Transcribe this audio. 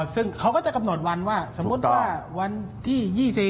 ซึ่งเขาก็จะกำหนดวันว่าสมมุติว่าวันที่๒๔